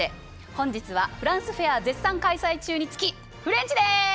本日はフランスフェア絶賛開催中につきフレンチです！